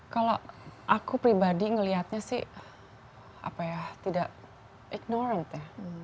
kalau aku pribadi melihatnya sih tidak ignorant ya